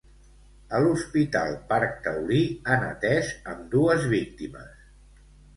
A l'Hospital Parc Taulí han atès ambdues víctimes.